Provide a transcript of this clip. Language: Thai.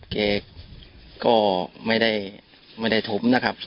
แกก็ไม่ได้ถมนะครับ